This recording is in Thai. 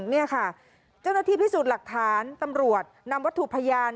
นี่ค่ะเจ้าหน้าที่พิสูจน์หลักฐานตำรวจนำวัตถุพยาน